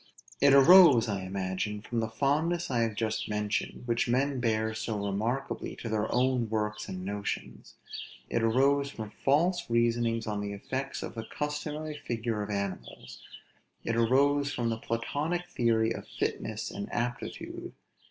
It arose, I imagine, from the fondness I have just mentioned, which men bear so remarkably to their own works and notions; it arose from false reasonings on the effects of the customary figure of animals; it arose from the Platonic theory of fitness and aptitude.